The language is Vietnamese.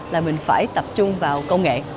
là mình phải tập trung vào công nghệ